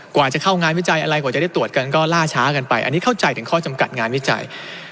กว่าจะเข้างานวิจัยอะไรกว่าจะได้ตรวจกันก็ล่าช้ากันไปอันนี้เข้าใจถึงข้อจำกัดงานวิจัย